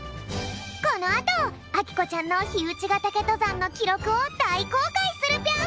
このあとあきこちゃんの燧ヶ岳とざんのきろくをだいこうかいするぴょん！